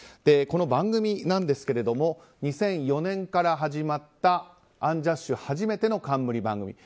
この番組なんですけれども２００４年から始まったアンジャッシュ初めての冠番組。